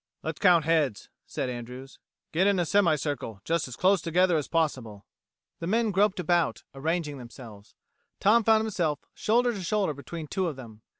"Let's count heads," said Andrews. "Get in a semi circle, just as close together as possible." The men groped about, arranging themselves. Tom found himself shoulder to shoulder between two of them.